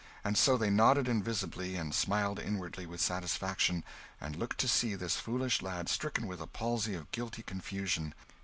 And so they nodded invisibly and smiled inwardly with satisfaction, and looked to see this foolish lad stricken with a palsy of guilty confusion.